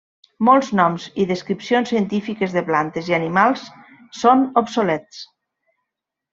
Molts noms i descripcions científiques de plantes i animals són obsolets.